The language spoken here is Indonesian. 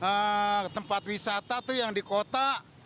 nah tempat wisata tuh yang di kota